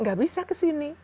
nggak bisa ke sini